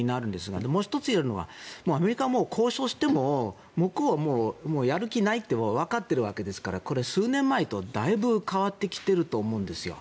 そしてもう１つ言えるのがアメリカは交渉しても向こうはやる気ないってわかっているわけですからこれは数年前とだいぶ変わってきていると思うんですよ。